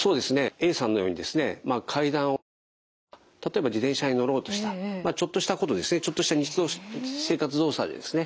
Ａさんのようにですね階段を下りる時とか例えば自転車に乗ろうとしたちょっとしたことでちょっとした日常生活動作でですね